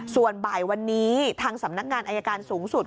ส่วนบ่ายวันนี้ทางสำนักงานอายการสูงสุด